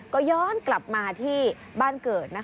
ก็ย้อนกลับมาที่บ้านเกิด